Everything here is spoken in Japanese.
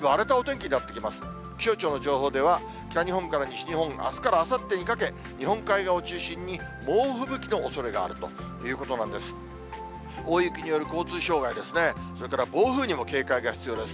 気象庁の情報では、北日本から西日本、あすからあさってにかけ、日本海側を中心に猛吹雪のおそれがあるということなんです。